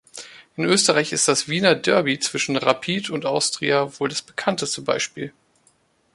In Österreich ist das "Wiener Derby" zwischen Rapid und Austria wohl das bekannteste Beispiel.